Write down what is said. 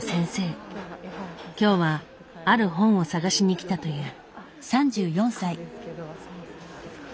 今日はある本を探しにきたという。